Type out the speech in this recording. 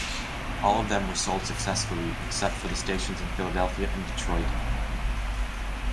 All of them were sold successfully except for the stations in Philadelphia and Detroit.